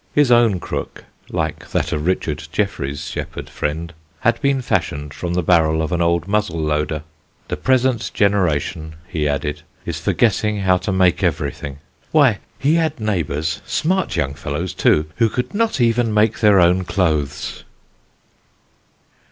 His own crook (like that of Richard Jefferies' shepherd friend) had been fashioned from the barrel of an old muzzle loader. The present generation, he added, is forgetting how to make everything: why, he had neighbours, smart young fellows, too, who could not even make their own clothes.